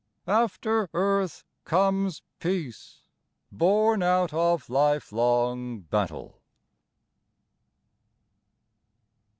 '*\ "After earth comes peace ^ Born out of life long battle."